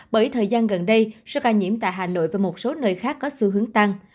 bởi thời gian gần đây số ca nhiễm tại hà nội và một số nơi khác có xu hướng tăng